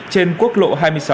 trên quốc lộ hai mươi sáu